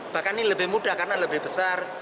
bahkan ini lebih mudah karena lebih besar